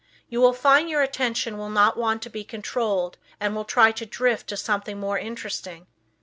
You will find your attention will not want to be controlled and will try to drift to something more interesting.